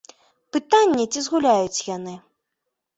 Пытанне, ці згуляюць яны.